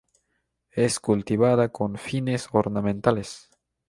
Es cultivada con fines ornamentales.